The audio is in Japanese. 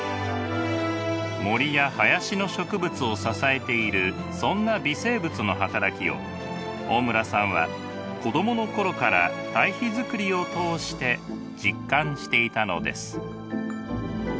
森や林の植物を支えているそんな微生物の働きを大村さんは子供の頃から堆肥作りを通して実感していたのです。